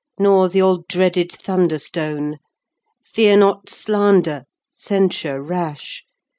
Nor th' all dreaded Thunderstone Gui. Feare not Slander, Censure rash Arui.